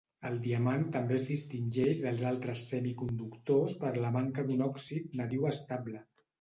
El diamant també es distingeix dels altres semiconductors per la manca d'un òxid nadiu estable.